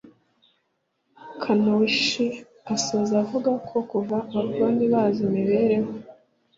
czekanowski asoza avuga ko kuva abakoroni baza imibereho